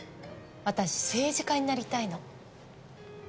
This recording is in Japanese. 私政治家になりたいの。